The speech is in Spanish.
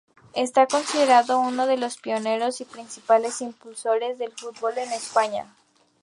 Está considerado uno de los pioneros y principales impulsores del fútbol en España.